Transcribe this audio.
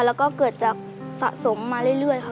แล้วก็เกิดจากสะสมมาเรื่อยค่ะ